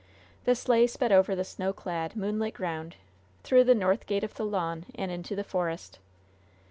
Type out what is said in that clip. The sleigh sped over the snow clad, moonlit ground, through the north gate of the lawn and into the forest.